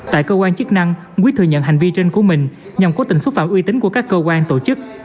tại cơ quan chức năng quyết thừa nhận hành vi trên của mình nhằm cố tình xúc phạm uy tín của các cơ quan tổ chức